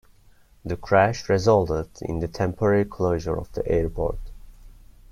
The crash resulted in the temporary closure of the airport.